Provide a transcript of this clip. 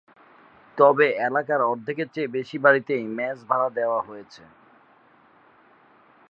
তবে এলাকার অর্ধেকের চেয়ে বেশি বাড়িতেই মেস ভাড়া দেওয়া হয়েছে।